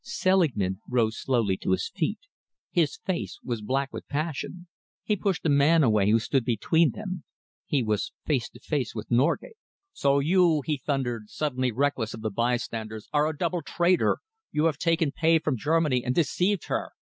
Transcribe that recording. Selingman rose slowly to his feet. His face was black with passion. He pushed a man away who stood between them. He was face to face with Norgate. "So you," he thundered, suddenly reckless of the bystanders, "are a double traitor! You have taken pay from Germany and deceived her!